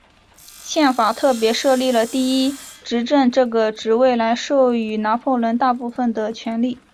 宪法特别设立了第一执政这个职位来授予拿破仑大部分的权力。